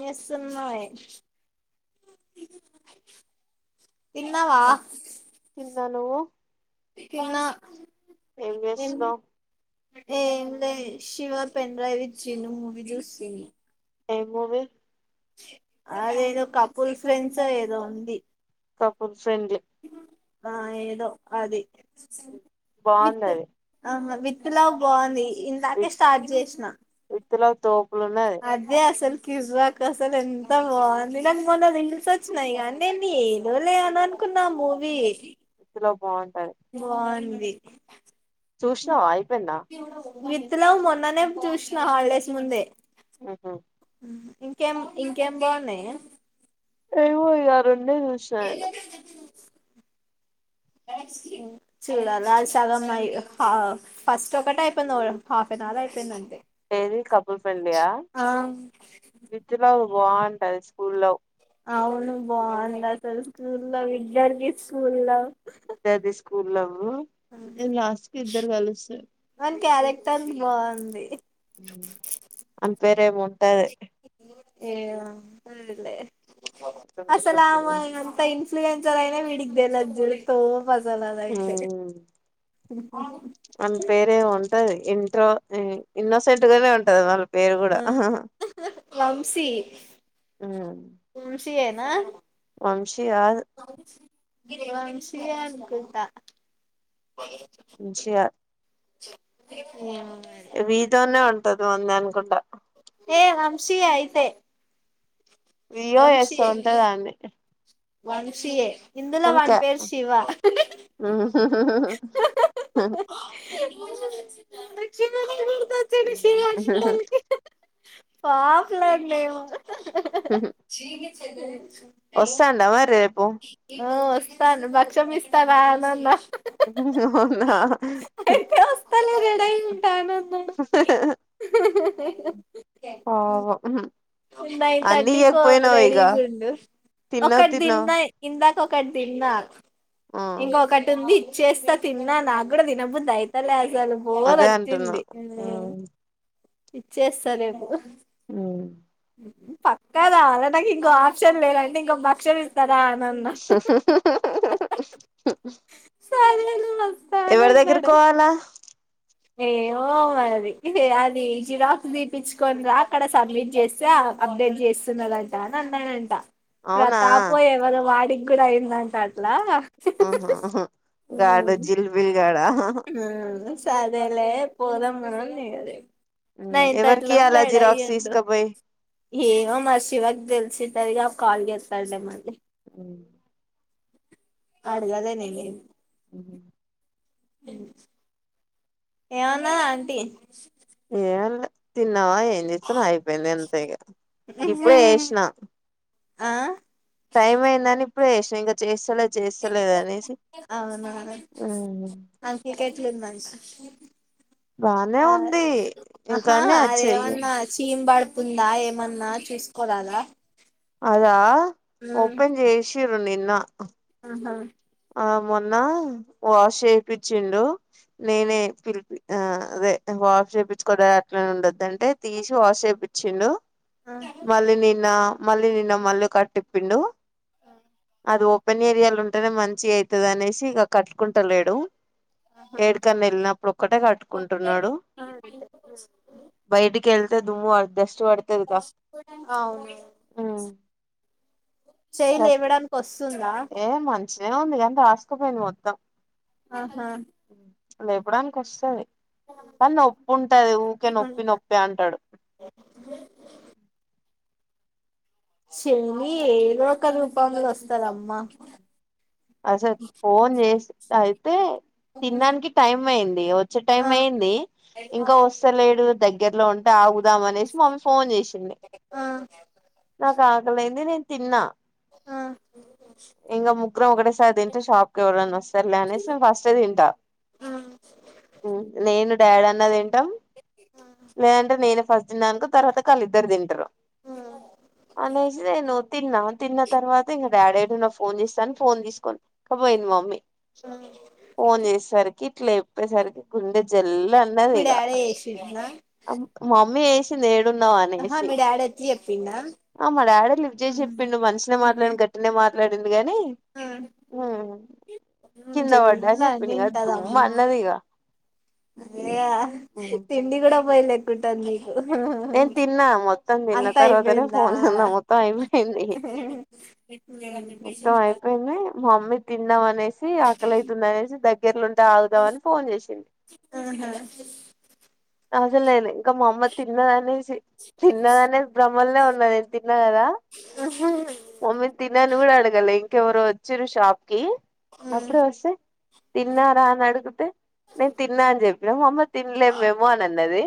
నస్ ఉన్నాయి తింనా నువ్వు తిన్న ఏం చేస్తున్నావ్ ఏ లేదు శివ పెన్ డ్రైవ్ ఇచ్చినాడు మూవీ చూస్తున్న ఏం మూవీ అదేదో కపుూల్ ఫ్రెండ్స్ ఏదో ఉంది కూపుల్ ఫ్రెండ్లీ ఆ ఏదో అది విత్ బాగుందది ఆా విత్ లా బాగుంది ఇందాకే స్టార్ట్ చేసినాం మలతో అదిే అసలు కివజ్వాా అసలు ఎంత బాగుంది నాకు మొన రీల్స్ వచ్చినాయి కానీ నేను ఏదోలే అని అనుకున్నా మూవీ ఏ విత్ లవ్ బాగుంటది బావుంద్ ది చూసినవ అయ్ త మిత్తునం మొన్ననే చూసిన హాలిడేస్ ముందే హ్మ్ హు ఇంకేం ఇంకేం బాగున్నాయే. ఏమో ఇగా రెం డే చూసిన నేను చూడాల సగం అయి హా ఫస్ట్ ఒకటే అయిపోయింది హాఫెన్ అవర్ అయిపోయింది అంతే. ఏది కపుల్ ఫ్రెండ్లీ యా ఆ విత్ లవ్ బాగుంటది స్కూల్ లవ్ అవును బాగుంది అసలు స్కూల్లో విద్యార్థి స్కూల్ లవ్ విద్యార్థి స్ కూల్ లవ్ మ్మ్ లాస్ట్ కి ఇద్దరు కలుస్తరు. వాని క్యారెక్టర్ బాగుంది. ఆమె పేరేమో ఉంటది. ఏదో ఉంటదిలే అసలు ఆమ ఎంత ఇ న్ఫ్లియన్సర్ వీడికి దెల్వదు చూడు తోపు అసలు అది అయితే వన్న్ పేరే ఏమో ఉంటది ఇంట్రో ఇన్నోసెంట్ గనే ఉంటది వాళ్ పేరు కూడా ఆ వంశీ మ్మ్ వంశీ యేనా? వంశీ కాదు వంశీయే అనుకుంటా వంశీ కాద్ ఏమో మరి వి తోనే ఉంటది వాన్ది అనుకుంటా ఏ వంశీయే అయితే వి యో ఎస్సో వంశీయే ఉంటది అన్ది వంశీయే ఇందులో వాని పేరు శివ. హూ హూ హూమ్మ్ హ్మ్ [inaudible] పాపలాన్నాే హ్మ చె వస్తాండా మరి రేపు ఇస్త భక్ష్యం ఇస్తారా అని అన్న వున్నా అయితే వస్తాలే రెడీ ఉంటానన్నాడు పాపం నైన్ అన్ని థర్టీకి ఇయ్యకపోయినావు రెడీ ఇగ ఉండు తిన్నావు ఒకటి తిన్నావు దిన్న నాకు ఒకటి తిన్న ఆ ఇంక ఒకటి ఉంది చేస్తా తిన్నా నాగు కూడా దినబుద్ అయితలే అను బోర్ అదే అంటున్నా రచ్చింది ఉమ్ ఇచ్చేస్తా నేకు మ్మ్ పక్కదా అద నాకు ఇంకో ఆప్క్షన్ లేదంటే ఇంకో భక్షలు ఇస్త సరేలే ఎవరి వస్తానన్నాడు దగ్గరకోవాలా ఏమో మది అది జిరాక్స్ దీపించుకని రా అక్కడ సబ్మిట్ చేస్తే అప్డేట్ చేస్తున్నదంట అ అన్నానంట అవునా ప్రతాప ఎవరు వాడి గుర అయిందంట అట్లా ఆహహ గాడు జిల్బిల్ గాడా మ్మ్ సరెలే పోద మన నర న ఉమ్ ఎవరికి ఇంతంట్లో అలా బాడ్ జిరాక్స్ అయ్యిండు తీసుకపోయి ఏవమా శివకి తెలిసి సరిగా కాల్ చేస్తాడే మళ్ళీ మ్మ్ అడుగాలే నేను ఏమి అ ఏ ఏమన్నదీ ఆంటీ టీల్ న్నావా ఏం చేస్తును అయిపోయింది ఎంతైగా ఇ ఇప్పుడే వేసినా ఆ టైమ్ అయ్యిందని ప్పుడే లేషినా ఇంకా చేస్తా లే చేస్తలేదు అనేసి అవునా ఏం మనిషి బానే ఆ ఉంది ఆహా ఇంకానే అచ్చాయి అదేమన్నా చీమ్ బడ్ ఉందా ఏమన్నా చూసుకోరాలా అదా ఓపెన్ చే ష్ చ్చరు నిన్న ఆహా ఆ మొన్న వాష్ చేపిచ్చిండు నేనే పిలిపి ఆ అదే వాష్ చేపిచ్చుకోడా అట్లనే ఉండద్దండి అంటే తీసి వాష్ చేపిచ్చిండు ఆ, మళ్ళీ నిన్న మళ్ళీ నిన్న మళ్ళీ కట్టిప్పిండు అది ఓపెన్ ఏరియాలు ఉంటేనే మంచ్ మంచి అయితది అనేసి ఇక కట్టుకుంటలేడు ఏడుకన్నా వెళ్ళినప్పుడు ఒక్కటే కట్టుకుంటున్నాడు ఆ, బయటికి వెళ్ దుమ్ము అర్ డస్ట్ పడుతదిగా అవును ఉమ్, చేయలు ఇవ్వడానికి వస్తుందా ఏంది ఎంత ఆస్కపోయింది మొత్తం ఆహా లేపడానికి వస్తది కానీ నొప్పి ఉంటది ఊరికే నొప్పి ఉంటది. నొప్పి అంటాడు శని ఏ లోక రూపాంలో వస్తారమ్మా అసలు ఫోన్ చేస్ బాయి అయితే తినడానికి టైమ్ అయింది వచ్చే టైం ఆ అయింది ఆ ఇంకా వస్తలేడు దగ్గరలో ఉంటే ఆవ్ వామ్ ఆనేసి మమ్మీ ఫోన్ చేసింది ఆ ఆ, నాకు ఆకలిైంది నేన్ తి తిన్నా ఆ, ఆ. ఎం ఒకటే సారి తింటే షాక్ ఎవరన్ వస్ సర్లే అనేసి ఫస్ట్ ఎ తింటా మ్మ్ నేను దేడన్న తిన్ పమ్ నేన్ అంటే నేనే ఫస్ట్ తిన్నాంక తర్వాత కా వాళ్ళిద్దరు తింటారు అనేసి నేను తిన్నాన్ తిన్న తర్వాత ఇంకా డాడీడున్న ఫోన్ చూస్తాన్ ఫోన్ తీసుకోండి పోయింది మమ్మీ ఫోన్ చేసేసరికి ఇట్లా చెప్పేసరికి గుండె జల్లు అన్నది మీ ఇక డాడీ చేసిండా మమ్మీ చేస్ స ఏడ్ ఉన్నావు ఆహా అనేసి మీ డాడీ వచ్చి చెప్పిండా ఆ మా డాడే లిఫ్ట్ చేసి చెప్పిండు నువ్వు మంచినే మాట్లాను గట్టినే మాట్ డిండు గానీ ఆ కింద పడ్డా జల్దీ అని చెప్పిండి ఇగ దుమ్ అన్నది ఇగ ఇగ తిండి కూడాడా పో లెక్కుంటాంది నేను తిన్నా మొత్తం తిన్న అంతా తర్వాతనే అయిపోయిందా ఫోన్ అంద మొత్తం అయిపోయింది మొత్తం అయిపోయింది మమ్మీ కింద ప అనేసి ఆకల అవుతుంది అనేసి దగ్ కేరళండి తాగుదామని ఫోన్ చేసింది అసలు నేను ఇంకా మా అమ్మ తిన్నదనేసి తిన్నదనే భ్రమల్నే ఉన్నది నేను తిన్నా కదా ఆహా ఆహా మమ్మీ తిన్ అని కూడా అడగలే ంకేవరో వచ్చిర్రు షాప్ కి అప్పుడే వస్తే తిన్నారా అని అడిగితే నేను తిన్నా అని చెప్పి ఇగ మా మమ్మీ తినలేం మేము అని అన్నది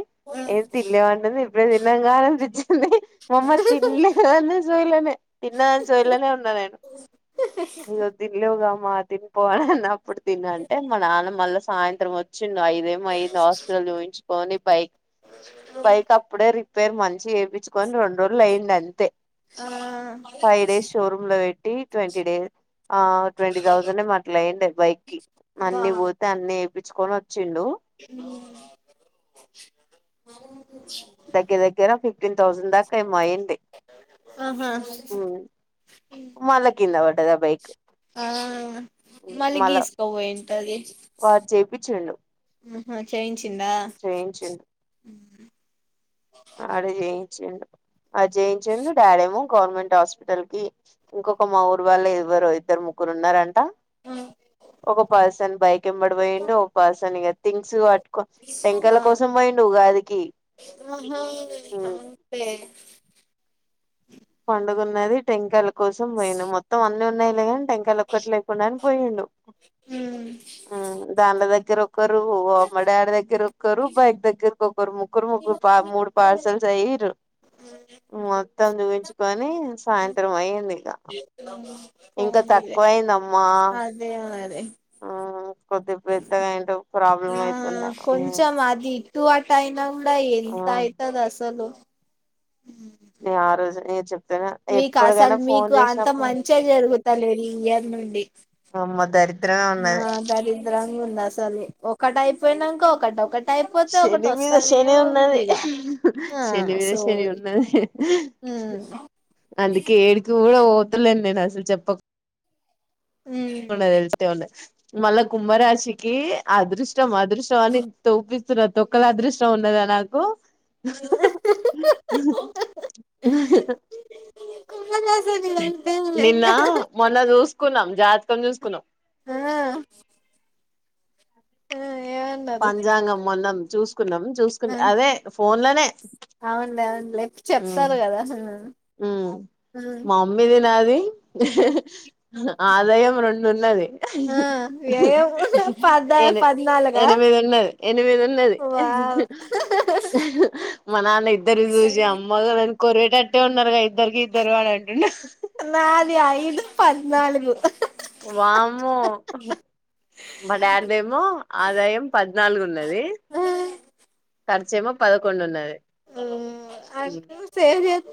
ఏం తినలే అంటది ఇప్పుడే తిన్నంగా అనిపించి అే మామ్మ తిన్లే అనే సోయిలే నా తిన్నదన్న సోయిలనే ఉన్నా నేను ఈ రోజ్ తిన్లే వామ్మ తిన్ పో అన్న అప్పుడు తిను అంటే మ నాన్నమ్ మళ్ళ సాయంత్రం వచ్చి ండు ఐదేమో అయింది హాస్పిటల్ చూయించుకని బైక్ బైక్ అప్పుడే రిపె పేర్ మంచి ఏపిచ్చుకొని రెండ్ రోలయ్యిందది అంతె ఆ ఫైవ్డేస్ షోరూమ్ లో పెట్ ట్టీ ట్వంటీ డేస్ ఆ ట్వంటీ థౌసండ్ ఏమొ అట్లాయ్యుండె బైక్కిి అన్ని పోతే అన్ని పించుకొనిచ్చిండు అవును దగ్గ దగ్గర ఫిఫటీన్ తౌసండ్ దాకా ఏమో అయింది ఆహా మళ్ళ కింద పడ్డది ఆ బైక్ ఆ మళ్ళీ మళ్ళా గీసుకోపోయింటది వారు చేపి చుండు ఆహా చెైయించి చింద ఆడ చేయించుఉండు అ జయించేడు డాడేమో గవర్నమెంట్ హాస్పిటల్ కి ఇంకొక మా ఊరు వాళ్ళ ఎవ్వరు ఇద్దరు ముగ్గురు ఉన్నారంట ఆ ఒక పర్సన్ బైక్ ఇంబడి పోయిడి ఒక పర్సన్ ఇక థింగ్స్ కట్టుకో టంకయల ఆహా కోసం పోయిడి ఉగాదికి ఉమ్ ఆపే పండుగ ఉన్నది టెంకాయలు కోసం పోయిను మొత్తం అన్ని ఉన్నాయి టంకాయలు ఒక్కట్ లేకుండానే పోయిండు దాల దగ్గర ఒక్కరు మా డాడీ దగ్గర ఒరు బైక్ దగ్గర కొకరు ముగ్గురు ముగ్గురు పా మూడు పార్సల్స్ అయ్యరు మొత్తం చూయించి కని సాయంత్రం అయ్యింది ఇక ఇంకా పోనీలే తక్కువ అయిందమ్మా అదే కొద్ది పెత్తగా అయితే ప్రాబ్లం అవుతుండ తూ అ టాయినా ఇ ఎంత అవుతుది అసలు ఇగ రోజే ఏ చెప్పు మీకు అసలు మీకు అంత మంచే జరుగుతా లేదు ఈ ఇయర్ నుండి దరి ఆ దరిద్రంగా ఉంది అసలు ఒక టైప్ పోయినాక ఒకటి ఒకటి అయిపోతే ఒకటి శని మీద వస్తానే శని ఉంది ఉన్నది ఇగ ఆ శని మీద శని సోది ఉన్నది ఉమ్ అందుకే ఏడికి కూడా పోతలేను నేను అసలు చెప్పకు ఉమ్ ఉవున్నాది తెలుసు ఉన్న మల్ల కుంభరాశికి అదృష్ట మాదృశంని తోపి తొక్కల అదృష్టం ఉన్నదా నాకు ఆ కుమ్మకాసని అంటే నిన్న మొన్న ద చూకున్నాం జాతకం చూసుకున్నాం ఆ ఆ ఏమన్నారు పజాంగం మొన్నం చూస్ చూకున్నాం ఆ చూసుకున్నా అదే ఫోన్ లోనే అవునులే అవునులే చెప్తారు కదా ఆ మ్మ్ ఆ మా మమ్మీ నాది ఆదాయం రెండున్నది ఆ వ్యయం పద్నా ఎ పద్నాలుగా ఎనిమిది ఉన్నది ఎనిమిది ఉన్నది వావ్ మా నాన్న ఇద్దరు చూసి అమ్మగను కోర్వేట టాటూ ఉన్నారుగా ఇద్దరికి ఇద్దరు వాళ్ళే నాది ఐదు పద్నాలుగు వామ్మో మా డాడ్ ది ఏమో ఆదాయం పద్నాలుగు ఉన్నది ఖర్చేమో పదకుండు ఉన్నది మ్మ్ ఆ సేవ్ చెస్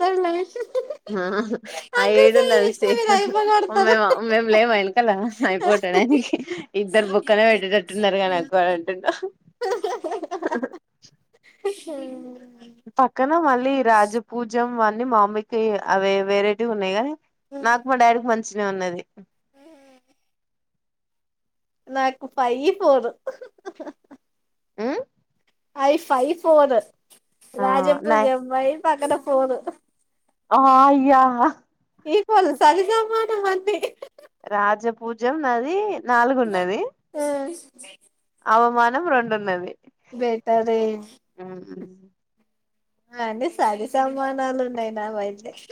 [inaudible] ఆ ఏడుంద చేసిన అలిసి మీరు మే అయిపోగొడతారు మేము లేము వెనకాల అయిపోటడానికి ఇద్దరు బుక్కనే పెట్టేటట్టున్నారుగా నాకు అని అంటుంనాడు ఆ ఆ పక్కన మళ్ళ రాజపూజం అన్నీ మామ్మీకి అవే వేరైటీ ఉన్నాయి కానీ నాక్ మా డాడీ కి మంచి మంచి ఉన్నది నాకు పై పోడం ఐ ఫైవ్ ఫోర్ ఆ రాజపూ నై జ ఎబయి పక్కద ఫోను ఆ అయ్యా ఈవ సరిజమాన అంది రాజపూజం నది నాలుగు ఉన్నది అవమాన రెండున్నది బేటరే [inaudible] ఆ అండి సరి సమానాలు ఉన్నాయి నా బ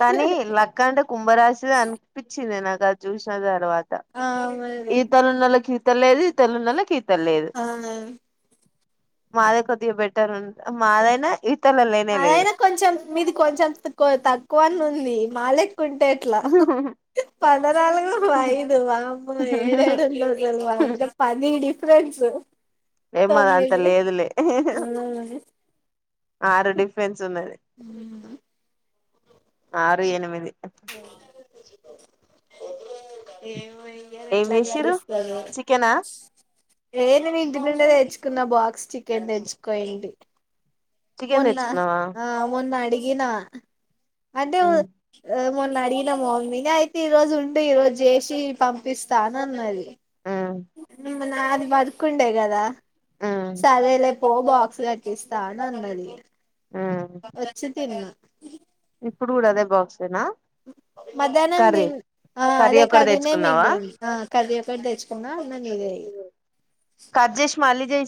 కానీ లక్క అంటే కుంభరాశిదే అనిపించింది నాకు ఇంకా చూసిన తర్వాత ఆ మరి ఈతల నలకి తల్లది తెల్వనోళ్లకి ఆ మాదే కొద్దిగా బెటర్ ఉ మాదైనా ఈతల లేనే లేదు అదైనా కొంచెం మీది కొంచెంక్ తక్కువని ఉంది మాలక్ [unintelligible] ఉంటే ఎట్లా పదనాలుగు ఐదు వామ్మో ఏడ ఏడు రోజులు వామ్ పది డిఫరెంట్స్ స [unintelligible] ఏమద అంత లేదులే ఆరు డిఫె సుమెది [unintelligible] ఆరు ఎనిమిది ఏమో ఇయ్యాల ఏం ఎట్లా చేసిర్రు గడుస్తదొ చికెనా ఏ నేను ఇంటి నుండే తెచ్చుకున్నా బాక్స్ చికెన్ తెచ్చుకోడి చికెన్ మొన్న తెచ్చుకున్నావా ఆ మొన్న అడి గినా అంటే ఉమ్ అడిగిన మొన్ననే అయితే ఈ రోజు ఉంటే ఈ రోజు చేసి పంపిస్తాను అన్నది ఉ మొన్న అది బతుకుండే కదా ఉమ్ సరేలే పో బా కిస్తాన అన్నది ఉమ్ వచ్చి తిన్న ఇ [inaudible] ఇప్పుడు కూడా అదే బాక్స్ మధ్యాహ్నం దిన్ ఆ కర్రీ అదకా ఒక్కటి దినే తెచ్చుకున్నావా మిగిలి కర్రి ఒకటి తెచ్చుకున్న [unintelligible]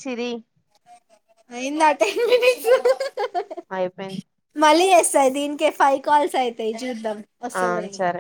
సిరి అయిందా టెన్ మినిట్స్? అయిపోఇంది. సరే, దీన్కే ఫైవ్ కాల్స్ అయితయ్ జూద్దమ్. ఆ వస్తదిలే సరే